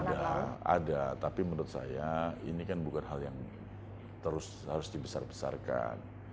ada ada tapi menurut saya ini kan bukan hal yang harus dibesar besarkan